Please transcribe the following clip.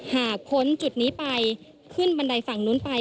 ค้นจุดนี้ไปขึ้นบันไดฝั่งนู้นไป